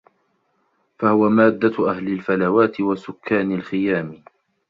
فَهُوَ مَادَّةُ أَهْلِ الْفَلَوَاتِ وَسُكَّانِ الْخِيَامِ